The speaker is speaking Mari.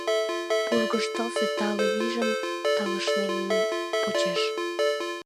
Пургыж тылзе тале вийжым Талышнен почеш.